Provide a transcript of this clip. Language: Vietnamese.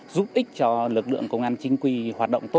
giúp ích cho lực lượng công an chính quy hoạt động tốt